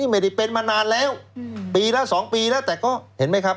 ไม่ได้เป็นมานานแล้วปีละ๒ปีแล้วแต่ก็เห็นไหมครับ